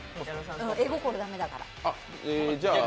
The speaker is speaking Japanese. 絵心、駄目だから。